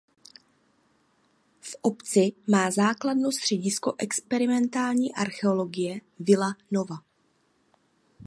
V obci má základnu středisko experimentální archeologie Villa Nova.